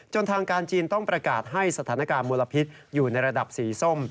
ทางการจีนต้องประกาศให้สถานการณ์มลพิษอยู่ในระดับสีส้ม